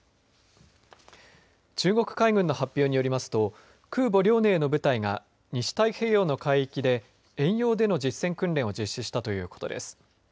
中国海軍の発表によりますと空母遼寧の部隊が西太平洋の海域で遠洋での実践訓練を実戦したということです。